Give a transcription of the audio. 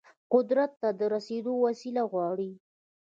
قدرت ته د رسیدل وسيله غواړي.